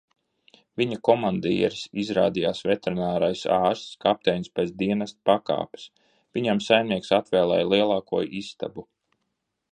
Viņu komandieris izrādījās veterinārais ārsts, kapteinis pēc dienesta pakāpes, viņam saimnieks atvēlēja lielāko istabu.